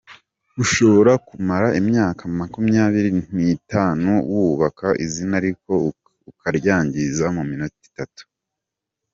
Ushobora kumara imyakamakumyabiri nitanu wubaka izina ariko ukaryangiza mu minota itatu